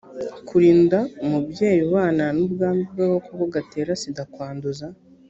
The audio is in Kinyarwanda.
kurinda umubyeyi ubana n ubwandu bw agakoko gatera sida kwanduza